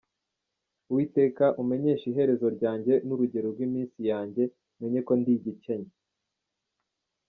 “Uwiteka, umenyeshe iherezo ryanjye, N’urugero rw’iminsi yanjye, Menye ko ndi igikenya.”